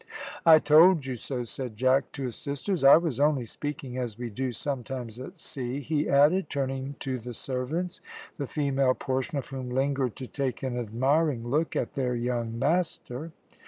"I told you so," said Jack to his sisters. "I was only speaking as we do sometimes at sea," he added, turning to the servants, the female portion of whom lingered to take an admiring look at their young master.